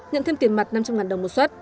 nhận thêm tiền mặt năm trăm linh đồng một suất